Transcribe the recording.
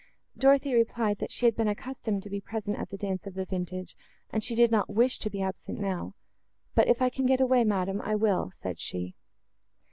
Dorothée replied, that she had been accustomed to be present at the dance of the vintage, and she did not wish to be absent now; "but if I can get away, madam, I will," said she.